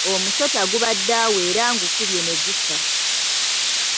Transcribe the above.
Omusota gubadde awo era ngukubye ne gufa.